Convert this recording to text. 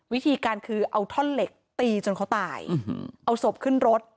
วิธีการคือเอาท่อนเหล็กตีจนเขาตายเอาศพขึ้นรถ